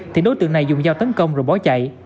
thì đối tượng này dùng dao tấn công rồi bỏ chạy